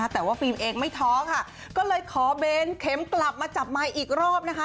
แต่ว่าฟิล์มเองไม่ท้อค่ะก็เลยขอเบนเข็มกลับมาจับไมค์อีกรอบนะคะ